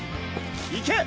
いけ！